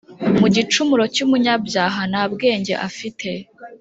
mu gicumuro cyumunyabyaha nta bwenge afite